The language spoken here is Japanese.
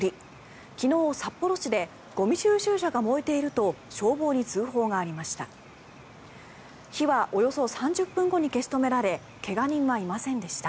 昨日、札幌市でゴミ収集車が燃えていると消防に通報がありました。